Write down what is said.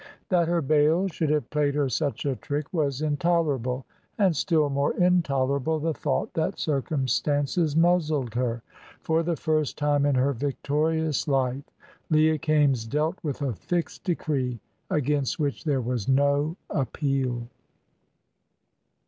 That her Baal should have played her such a trick was intolerable, and still more intolerable the thought that circumstances muzzled her. For the first time in her victorious life Leah Kaimes dealt with a fixed decree, against which there was no appeal.